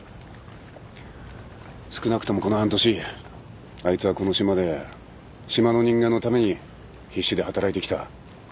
少なくともこの半年あいつはこの島で島の人間のために必死で働いてきた。